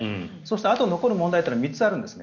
あと残る問題は３つあるんですね。